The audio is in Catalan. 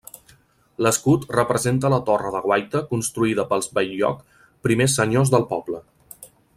L'escut representa la torre de guaita construïda pels Bell-lloc, primers senyors del poble.